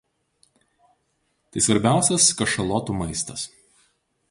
Tai svarbiausias kašalotų maistas.